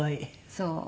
そう。